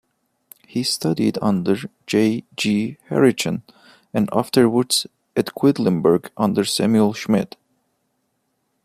He studied under J. G. Herrichen, and afterwards at Quedlinburg under Samuel Schmid.